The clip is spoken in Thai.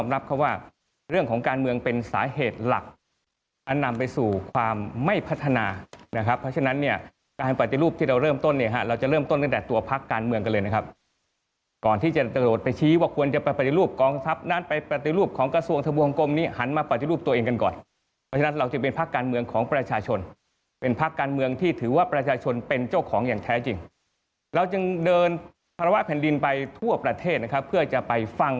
ตัวพักการเมืองกันเลยนะครับก่อนที่จะโดดไปชี้ว่าควรจะไปปฏิรูปกองทัพนั้นไปปฏิรูปของกระทรวงทะบูฮังกรมนี้หันมาปฏิรูปตัวเองกันก่อนเพราะฉะนั้นเราจะเป็นพักการเมืองของประชาชนเป็นพักการเมืองที่ถือว่าประชาชนเป็นเจ้าของอย่างแท้จริงเราจึงเดินฮาราวะแผ่นดินไปทั่วประเทศนะครับเพื่อจะไป